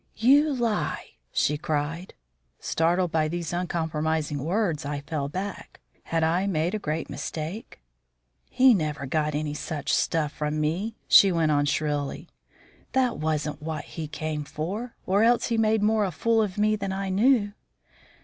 "You lie!" she cried. Startled by these uncompromising words, I fell back. Had I made a great mistake? "He never got any such stuff from me," she went on shrilly. "That wasn't what he came for, or else he made more of a fool of me than I knew."